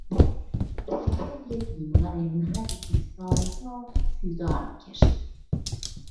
ریههای بیمار مردی که سالها سیگار میکشید